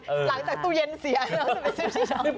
หลังจากตู้เย็นเสียแล้วไปซื้อที่นอน